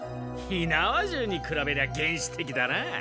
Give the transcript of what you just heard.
火縄銃にくらべりゃ原始的だな。